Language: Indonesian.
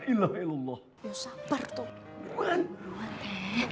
ya sabar tuh